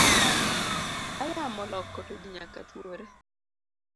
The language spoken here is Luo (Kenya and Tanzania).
Kayamo oloko to ji nyaka tuore.